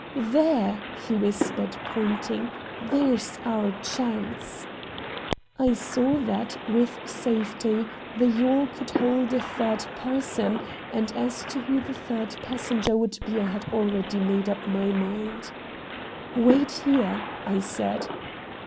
"There!" he whispered, pointing; "there's our chance!" I saw that, with safety, the yawl could hold a third person, and as to who the third passenger would be I had already made up my mind. "Wait here!" I said.